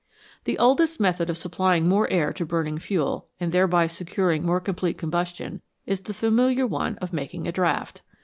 The oldest method of supplying more air to burning fuel, and thereby securing more complete combustion, is the familiar one of making a draught.